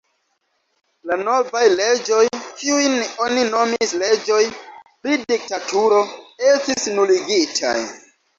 La novaj leĝoj, kiujn oni nomis leĝoj pri diktaturo, estis nuligitaj.